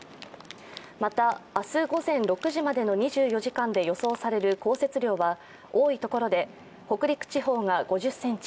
また、明日午前６時までの２４時間で予想される降雪量は多いところで北陸地方が５０ｃｍ